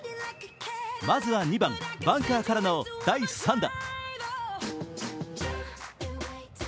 まずは２番、バンカーからの第３打。